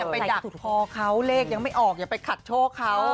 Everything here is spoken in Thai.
ไปดักคอเขาเลขยังไม่ออกอย่าไปขัดโชคเขา